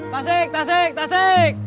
tasik tasik tasik